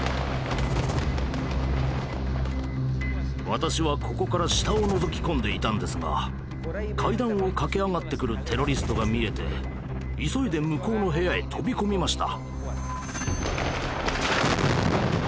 私はここから下をのぞき込んでいたんですが階段を駆け上がってくるテロリストが見えて急いで向こうの部屋へ飛び込みました。